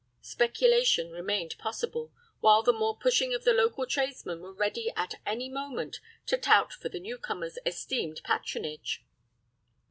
Speculation remained possible, while the more pushing of the local tradesmen were ready at any moment to tout for the new comers' "esteemed patronage."